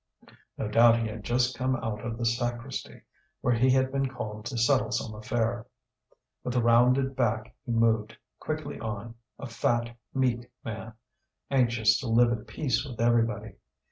No doubt he had just come out of the sacristy, where he had been called to settle some affair. With rounded back he moved quickly on, a fat meek man, anxious to live at peace with everybody.